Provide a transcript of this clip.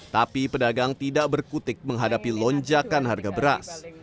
tapi pedagang tidak berkutik menghadapi lonjakan harga beras